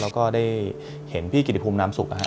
แล้วก็ได้เห็นพี่กิฤติภูมินามสุก